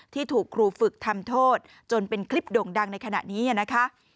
ที่ถูกครูฝึกทำโทษจนเป็นคลิปโด่งดังในขณะนี้นะคะ